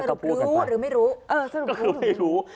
สรุปรู้หรือไม่รู้สรุปรู้หรือไม่รู้